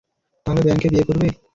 তাহলে ব্যাঙকে বিয়ে করবে?